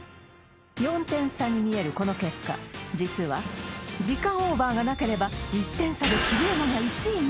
４点差に見えるこの結果実は時間オーバーがなければ１点差で桐山が１位に！